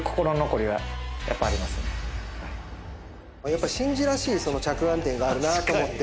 やっぱ伸二らしい着眼点があるなと思って。